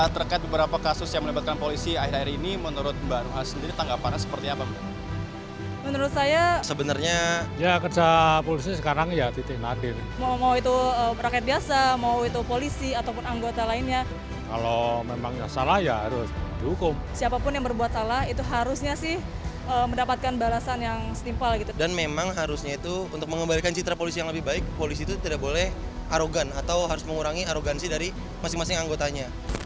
terkait beberapa kasus yang melibatkan polisi akhir akhir ini menurut mbak ruha sendiri tanggapannya seperti apa